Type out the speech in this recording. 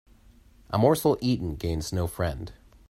A morsel eaten gains no friend.